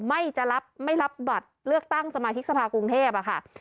ไม่รับบัตรเลือกตั้งสมาชิกสภาคกรุงเทพฯค่ะ